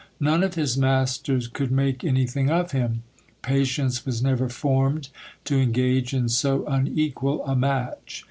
None of his masters could make any thing of him, patience was never formed to engage in so unequal a match.